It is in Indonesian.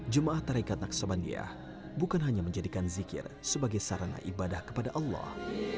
jemaah tarekat naksabandia bukan hanya menjadikan zikir sebagai sarana ibadah kepada allah